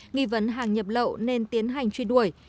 nghi vấn hàng nhập lậu nên tiến hành truy đuổi